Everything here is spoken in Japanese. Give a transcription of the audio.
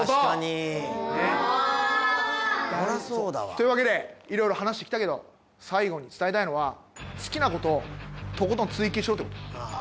というわけで色々話してきたけど最後に伝えたいのは好きなこととことん追求しようってこと。